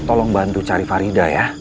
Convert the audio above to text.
tolong bantu cari farida ya